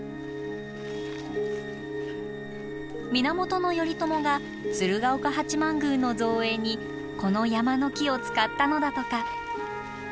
源頼朝が鶴岡八幡宮の造営にこの山の木を使ったのだとか。